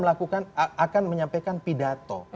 akan menyampaikan pidato